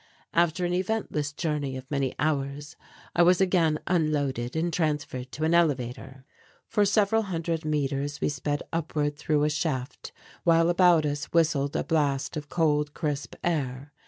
After an eventless journey of many hours I was again unloaded and transferred to an elevator. For several hundred metres we sped upward through a shaft, while about us whistled a blast of cold, crisp air.